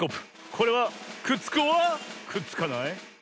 これはくっつくｏｒくっつかない？